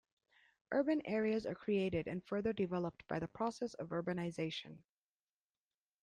Urban areas are created and further developed by the process of urbanization.